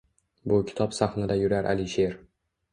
Bu kitob sahnida yurar Alisher